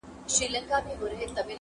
باندي اوښتي وه تر سلو اضافه کلونه.!